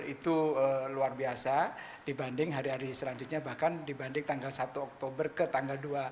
itu luar biasa dibanding hari hari selanjutnya bahkan dibanding tanggal satu oktober ke tanggal dua